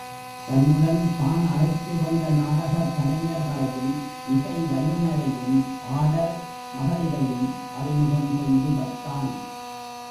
தன்னுடன் தான் அழைத்து வந்த நாடகக் கலைஞர் களையும், இசை வல்லுநரையும், ஆடல் மகளிரையும் அறிமுகம் செய்து வைத்தான்.